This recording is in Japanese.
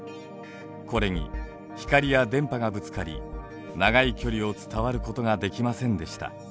これに光や電波がぶつかり長い距離を伝わることができませんでした。